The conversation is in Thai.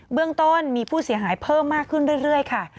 เรื่องต้นมีผู้เสียหายเพิ่มมากขึ้นเรื่อยค่ะ